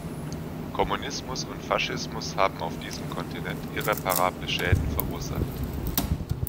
Kommunismus und Faschismus haben auf diesem Kontinent irreparable Schäden verursacht.